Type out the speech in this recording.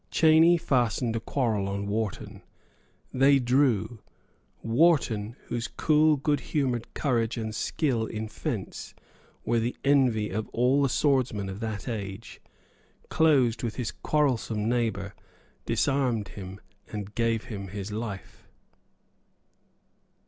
Cheyney fastened a quarrel on Wharton. They drew. Wharton, whose cool good humoured courage and skill in fence were the envy of all the swordsmen of that age, closed with his quarrelsome neighbour, disarmed him, and gave him his life.